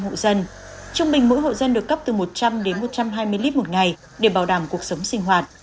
hộ dân trung bình mỗi hộ dân được cấp từ một trăm linh đến một trăm hai mươi lít một ngày để bảo đảm cuộc sống sinh hoạt